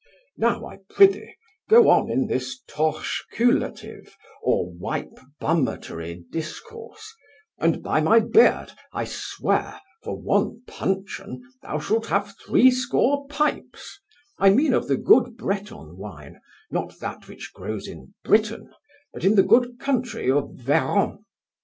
Now, I prithee, go on in this torcheculative, or wipe bummatory discourse, and by my beard I swear, for one puncheon, thou shalt have threescore pipes, I mean of the good Breton wine, not that which grows in Britain, but in the good country of Verron.